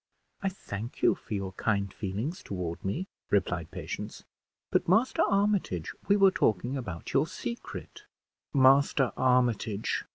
"I thank you for your kind feelings toward me," replied Patience; "but, Master Armitage, we were talking about your secret." "Master Armitage!"